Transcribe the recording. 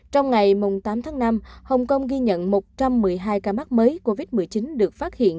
trong ngày tám tháng năm hồng kông ghi nhận một trăm một mươi hai ca mắc mới covid một mươi chín được phát hiện